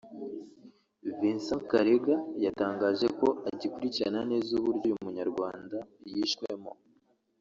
Vincent Karega yatangaje ko agikurikirana neza uburyo uyu munyarwanda yishwemo